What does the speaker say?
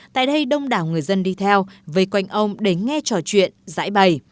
tại đây đông đảo người dân đi theo về quanh ông để nghe trò chuyện giải bày